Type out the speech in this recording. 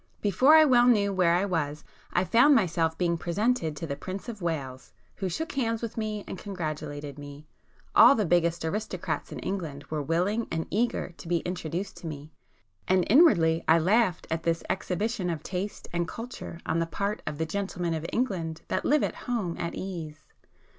Before I well knew where I [p 291] was, I found myself being presented to the Prince of Wales, who shook hands with me and congratulated me;—all the biggest aristocrats in England were willing and eager to be introduced to me;—and inwardly I laughed at this exhibition of taste and culture on the part of 'the gentlemen of England that live at home at ease.